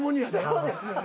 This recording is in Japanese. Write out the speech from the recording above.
そうですよね。